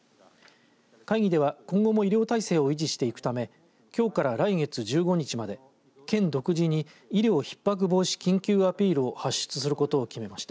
会議では今後も医療体制を維持していくためきょうから来月１５日まで県独自に医療ひっ迫防止緊急アピールを発出することを決めました。